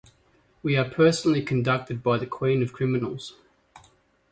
We are personally conducted by the queen of criminals.